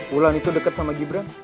wulan itu deket sama gibran